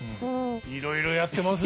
いろいろやってます。